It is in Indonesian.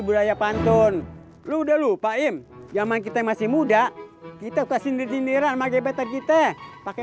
budaya pantun lu udah lupa im zaman kita masih muda kita kasih dinir dindiran magibet kita pakai